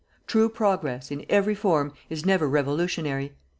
True progress, in every form, is never revolutionary.